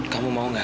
kamu mau gak